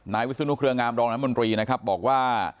วิศนุเครืองามรองรัฐมนตรีนะครับบอกว่า